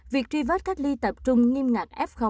việc tri vết cách ly tập trung nghiêm ngạc f